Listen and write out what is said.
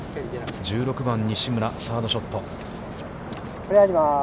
１６番、西村、サードショット。